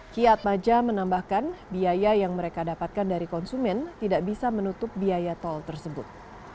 kiat maja menambahkan biaya yang mereka dapatkan dari konsumen tidak bisa menutup biaya tol tersebut